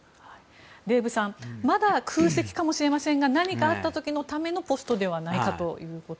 デーブさんまだ空席かもしれませんが何かあった時のためのポストではないかということです